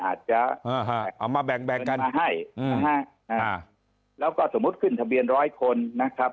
อาจจะมาให้แล้วก็สมมุติขึ้นทะเบียนร้อยคนนะครับ